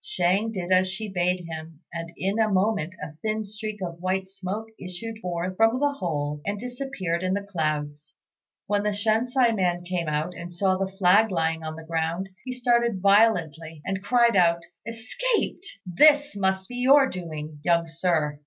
Shang did as she bade him, and in a moment a thin streak of white smoke issued forth from the hole and disappeared in the clouds. When the Shensi man came out, and saw the flag lying on the ground, he started violently, and cried out, "Escaped! This must be your doing, young Sir."